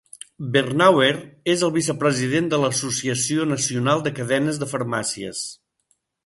Bernauer és el vicepresident de l'Associació nacional de cadenes de farmàcies.